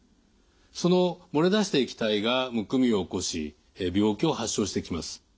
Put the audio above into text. その漏れ出した液体がむくみを起こし病気を発症してきます。